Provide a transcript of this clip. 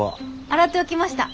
洗っておきました。